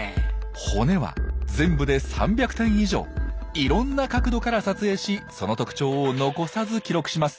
骨は全部で３００点以上いろんな角度から撮影しその特徴を残さず記録します。